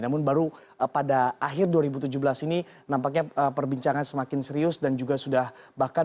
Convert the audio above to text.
namun baru pada akhir dua ribu tujuh belas ini nampaknya perbincangan semakin serius dan juga sudah bahkan